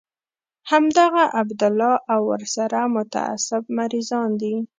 همدغه عبدالله او ورسره متعصب مريضان دي.